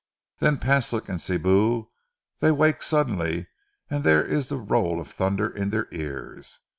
Den Paslik an' Sibou dey wake suddenly, an' dere is the roll of thunder in their ears.